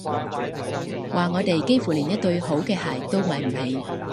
話我哋幾乎連一對好啲嘅鞋都買唔起